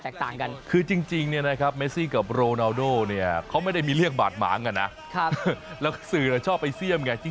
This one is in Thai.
เช้ากับโรนาโดเขาไม่ได้มีเรียกบาดหมางนะแล้วสื่อชอบไอ้เสียมไง